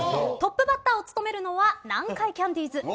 トップバッターを務めるのは南海キャンディーズ